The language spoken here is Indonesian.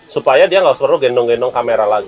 supaya dia nggak perlu gendong gendong kamera lagi